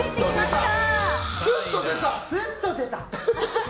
すっと出た。